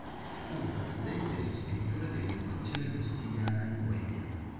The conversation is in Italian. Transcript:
Fu un ardente sostenitore dell'educazione agostiniana in Boemia.